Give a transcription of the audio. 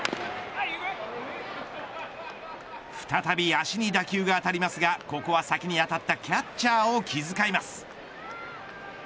再び足に打球が当たりますがここは先に当たったキャッチャーを気遣います。